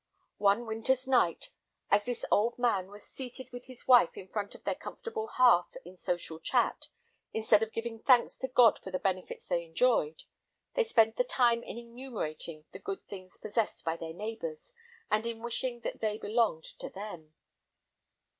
One winter's night, as this old man was seated with his wife in front of their comfortable hearth in social chat, instead of giving thanks to God for the benefits they enjoyed, they spent the time in enumerating the good things possessed by their neighbors, and in wishing that they belonged to them.